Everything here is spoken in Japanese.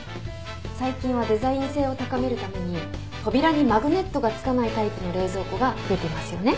最近はデザイン性を高めるために扉にマグネットが付かないタイプの冷蔵庫が増えていますよね。